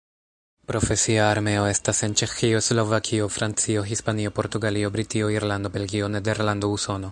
Profesia armeo estas en: Ĉeĥio, Slovakio, Francio, Hispanio, Portugalio, Britio, Irlando, Belgio, Nederlando, Usono.